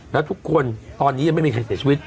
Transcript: แล้วทุกคนตอนนี้ยังไม่มีใครเสียชีวิต